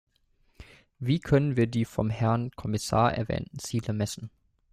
Wie können wir die vom Herrn Kommissar erwähnten Ziele messen?